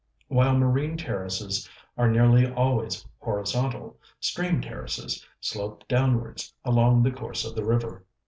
While marine terraces are nearly always horizontal, stream terraces slope downwards along the course of the river.